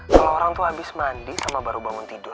kalau orang tua habis mandi sama baru bangun tidur